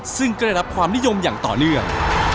ซึ่งก็ได้รับความนิยมอย่างต่อเนื่อง